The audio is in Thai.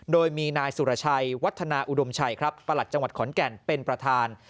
โดยมีนายสุรชัยวัฒนาอุดมชัยครับประหลัดจังหวัดขอนแก่นเป็นประธาน